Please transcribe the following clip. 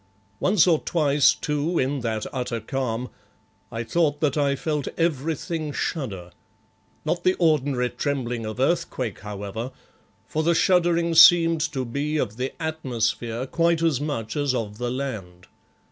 Once or twice, too, in that utter calm, I thought that I felt everything shudder; not the ordinary trembling of earthquake, however, for the shuddering seemed to be of the atmosphere quite as much as of the land.